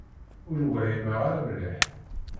Ur whimeɣ ara mliḥ.